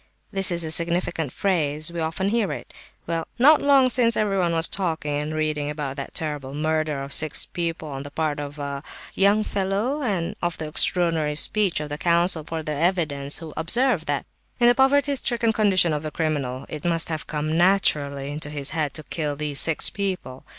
This is a significant phrase; we often hear it. Well, not long since everyone was talking and reading about that terrible murder of six people on the part of a—young fellow, and of the extraordinary speech of the counsel for the defence, who observed that in the poverty stricken condition of the criminal it must have come naturally into his head to kill these six people.